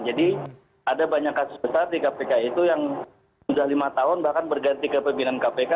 jadi ada banyak kasus besar di kpk itu yang sudah lima tahun bahkan berganti ke pembinaan kpk